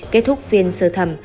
kết thúc phiên sơ thẩm